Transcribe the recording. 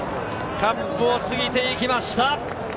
カップを過ぎていきました。